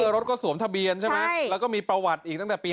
รถก็สวมทะเบียนแล้วก็มีประวัติตั้งแต่ปี๑๙๕๓